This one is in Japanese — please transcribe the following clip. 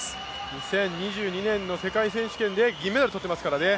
２０２２年の世界選手権で銀メダルとってますからね。